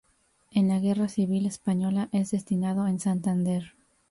En la Guerra Civil Española es destinado en Santander.